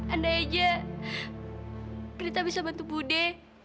andai saja prita bisa bantu budi